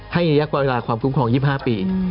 ให้ยักกว่าเวลาความคุ้มครอง๒๕ปี